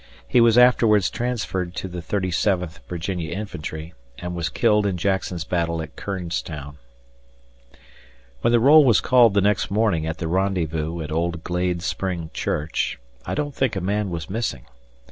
He was afterwards transferred to the 37th Virginia Infantry and was killed in Jackson's battle at Kernstown. When the roll was called the next morning at the rendezvous at old Glade Spring Church, I don't think a man was missing.